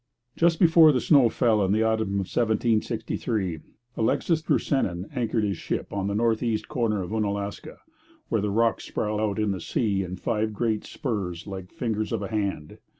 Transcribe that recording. Just before the snow fell in the autumn of 1763 Alexis Drusenin anchored his ship on the north east corner of Oonalaska, where the rocks sprawl out in the sea in five great spurs like the fingers of a hand.